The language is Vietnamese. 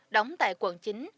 đóng tại quận chín